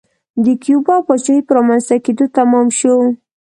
د کیوبا پاچاهۍ په رامنځته کېدو تمام شو.